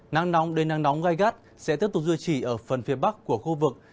nắng nóng đến nắng nóng gai gắt sẽ tiếp tục duy trì ở phần phía bắc của khu vực